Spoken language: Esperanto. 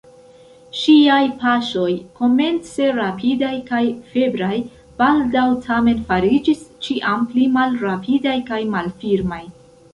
Ŝiaj paŝoj, komence rapidaj kaj febraj, baldaŭ tamen fariĝis ĉiam pli malrapidaj kaj malfirmaj.